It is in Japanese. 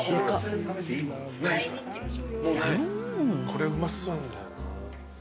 これうまそうなんだよな。